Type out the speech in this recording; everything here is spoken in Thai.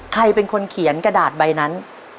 ใครเป็นคนเขียนกระดาษใบนั้น